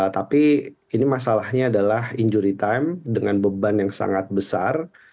tapi ini masalahnya adalah injury time dengan beban yang sangat besar